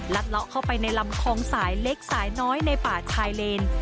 เลาะเข้าไปในลำคลองสายเล็กสายน้อยในป่าชายเลน